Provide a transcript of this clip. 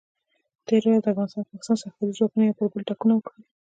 تېره ورځ د افغانستان او پاکستان سرحدي ځواکونو یو پر بل ټکونه وکړل.